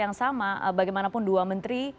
yang sama bagaimanapun dua menteri